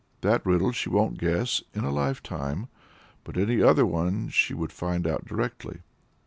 That riddle she won't guess in a lifetime; but any other one she would find out directly.